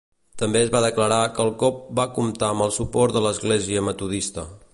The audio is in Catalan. També es va declarar que el cop va comptar amb el suport de l'Església metodista.